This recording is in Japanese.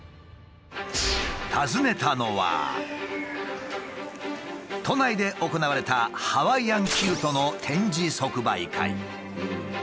訪ねたのは都内で行われたハワイアンキルトの展示即売会。